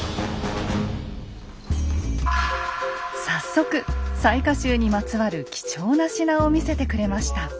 早速雑賀衆にまつわる貴重な品を見せてくれました。